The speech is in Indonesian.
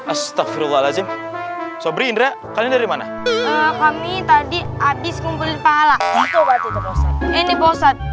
astagfirullahaladzim sobri indra kalian dari mana kami tadi habis ngumpulin pahala ini posat